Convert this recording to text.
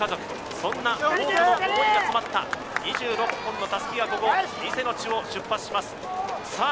そんな多くの思いが詰まった２６本の襷がここ伊勢の地を出発しますさあ